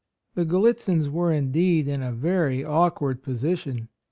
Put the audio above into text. The Gallitzins were indeed in a very awkward position.